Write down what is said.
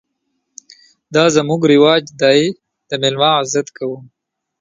_دا زموږ رواج دی، د مېلمه عزت کوو.